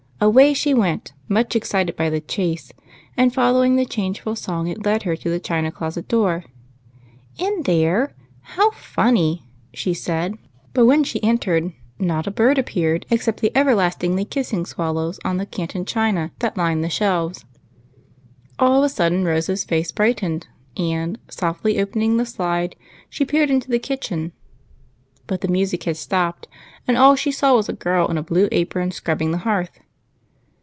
Away she went, much excited by the chase, and following the changeful song it led her to the china closet door. " In there ? How funny !" she said. But when she 4 'EIGHT COUSINS. entered, not a bird appeared excej^t the everlastingly kissing swallows on the Canton china that lined the shelves. All of a sudden Rose's face brightened, and, softly opening the slide, she peered into the kitchen. But the music had stopped, and all she saw was a girl in a blue apron scrubbing the hearth.